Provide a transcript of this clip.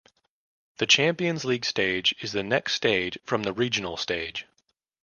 The champions league stage is the next stage from the regional stage.